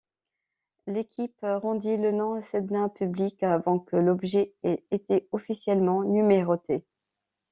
L'équipe rendit le nom Sedna public avant que l'objet ait été officiellement numéroté.